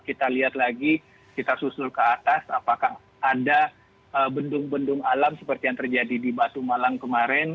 kita lihat lagi kita susul ke atas apakah ada bendung bendung alam seperti yang terjadi di batu malang kemarin